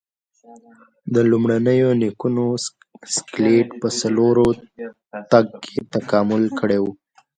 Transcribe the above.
د لومړنیو نیکونو اسکلیټ په څلورو تګ کې تکامل کړی و.